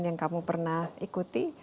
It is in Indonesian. yang kamu pernah ikuti